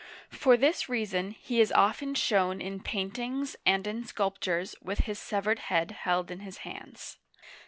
For this reason he is often shown in paintings and sculptures with his sev ered head held in his hands.